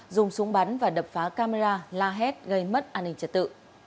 dùng súng bắn và đập phá camera la hét gây mất an ninh trật tự